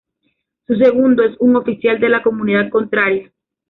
Su segundo es un oficial de la comunidad contraria.